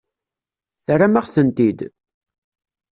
Terram-aɣ-tent-id?